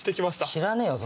知らねえよ